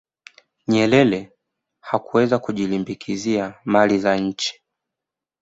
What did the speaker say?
nyerere hakuweza kujilimbikizia mali za nchi